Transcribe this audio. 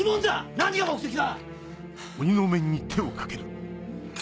何が目的だ！